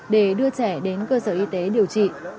để đưa trẻ đến cơ sở y tế điều trị